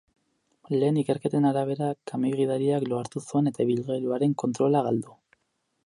Lehen ikerketen arabera, kamioi gidariak lo hartu zuen eta ibilgailuaren controla galdu.